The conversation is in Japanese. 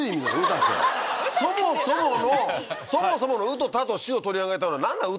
そもそものそもそもの「う」と「た」と「し」を取り上げたのは何なの？